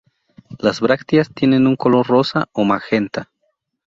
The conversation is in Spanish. Las brácteas tienen color rosa o magenta.